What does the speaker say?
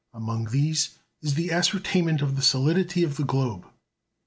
Among these is the ascertainment of the solidity of the globe.